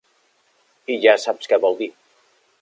I ja saps què vol dir.